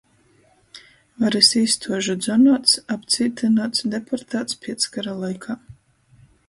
Varys īstuožu dzonuots, apcītynuots, deportāts pieckara laikā.